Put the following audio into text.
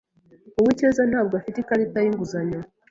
Uwicyeza ntabwo afite ikarita yinguzanyo.